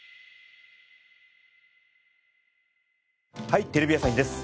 『はい！テレビ朝日です』